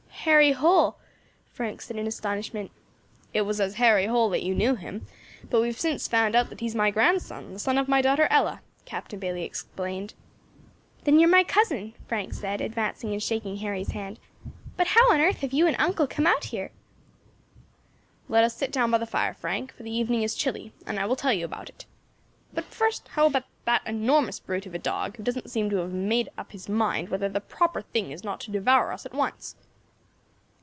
"Harry Holl," Frank said in astonishment. "It was as Harry Holl that you knew him, but we have since found out that he is my grandson, the son of my daughter Ella," Captain Bayley explained. "Then you are my cousin," Frank said, advancing and shaking Harry's hand; "but how on earth have you and uncle come out here?" "Let us sit down by the fire, Frank, for the evening is chilly, and then I will tell you all about it. But first, how about that enormous brute of a dog, who doesn't seem to have made up his mind whether the proper thing is not to devour us at once."